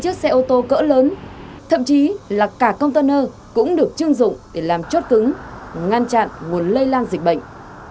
chiếc xe ô tô cỡ lớn thậm chí là cả container cũng được chưng dụng để làm chốt cứng ngăn chặn nguồn lây lan dịch bệnh